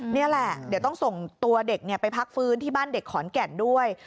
นี่แหละเดี๋ยวต้องส่งตัวเด็กไปพักฟื้นที่บ้านเด็กขอนแก่นด้วย